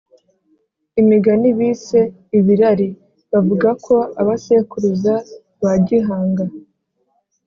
(imigani bise ibirari) bavuga ko abasekuruza ba gihanga